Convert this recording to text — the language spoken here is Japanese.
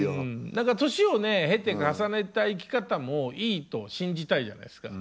何か年を経て重ねた生き方もいいと信じたいじゃないですか。